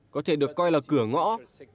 có thể được coi là cửa ngõ cho những dịch vụ này